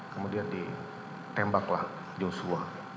kemudian ditembaklah joshua